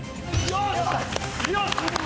よし！